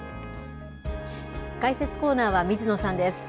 解説コーナーは水野さんです。